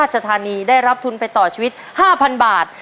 สถานีได้รับทุนไปต่อชีวิต๕๐๐๐บาท